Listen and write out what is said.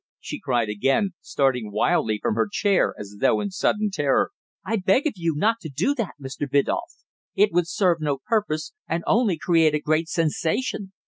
she cried again, starting wildly from her chair as though in sudden terror. "I beg of you not to do that, Mr. Biddulph. It would serve no purpose, and only create a great sensation.